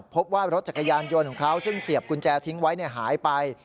พบว่ารถจักรยานยนต์ของเขาซึ่งเสียบกุญแจทิ้งไว้หายไป